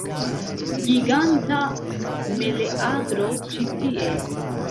Giganta meleagro ĉi tie!